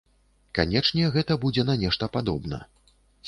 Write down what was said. Канечне, гэта будзе на нешта падобна.